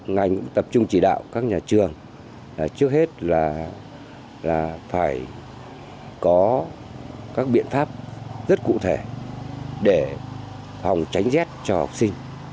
ngành cũng tập trung chỉ đạo các nhà trường trước hết là phải có các biện pháp rất cụ thể để phòng tránh rét cho học sinh